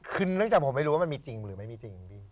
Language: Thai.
คือเนื่องจากผมไม่รู้ว่ามันมีจริงหรือไม่มีจริงพี่